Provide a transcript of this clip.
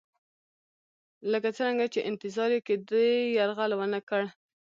لکه څرنګه چې انتظار یې کېدی یرغل ونه کړ.